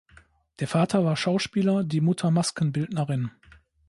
Der Vater war Schauspieler, die Mutter Maskenbildnerin.